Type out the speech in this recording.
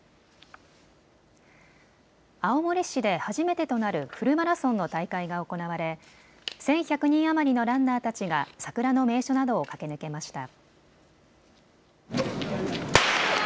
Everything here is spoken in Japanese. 青森市で初めてとなるフルマラソンの大会が行われ１１００人余りのランナーたちが桜の名所などを駆け抜けました。